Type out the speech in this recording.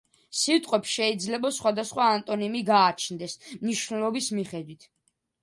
სიტყვებს შეიძლება სხვადასხვა ანტონიმი გააჩნდეს, მნიშვნელობის მიხედვით.